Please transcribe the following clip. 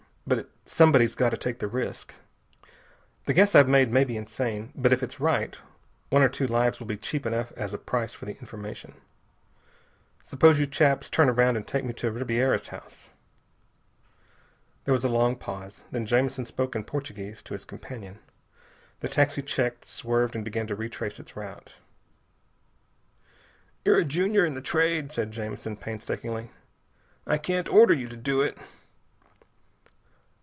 But somebody's got to take the risk. The guess I've made may be insane, but if it's right one or two lives will be cheap enough as a price for the information. Suppose you chaps turn around and take me to Ribiera's house?" There was a long pause. Then Jamison spoke in Portuguese to his companion. The taxi checked, swerved, and began to retrace its route. "You're a junior in the Trade," said Jamison painstakingly. "I can't order you to do it."